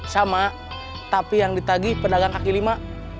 sama tapi yang ditagih pedagang kaki lima